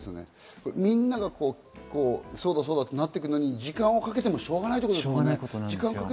みんながそうだそうだとなっていくのに時間をかけてもしょうがないところですよね。